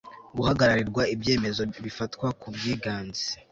guhagararirwa ibyemezo bifatwa ku bwiganze